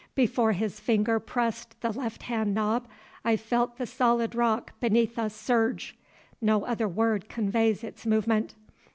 Before his finger pressed the left hand knob I felt the solid rock beneath us surge—no other word conveys its movement.